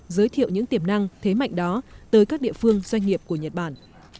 giới thiệu những tiềm năng thế mạnh đó tới các địa phương doanh nghiệp của nhật bản